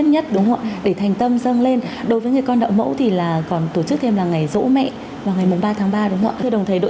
nhưng theo tôi thì hoàn toàn là khác nhau